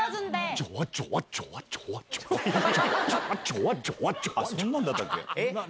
じょわ、そんなんだったっけ？